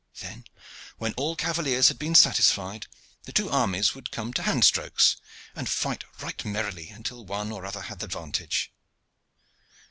Then, when all cavaliers had been satisfied, the two armies would come to hand strokes, and fight right merrily until one or other had the vantage.